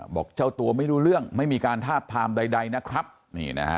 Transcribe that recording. บอกเจ้าตัวไม่รู้เรื่องไม่มีการทาบทามใดนะครับนี่นะฮะ